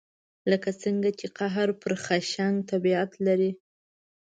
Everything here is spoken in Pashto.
لکه څنګه چې قهر پر خشن طبعیت لري.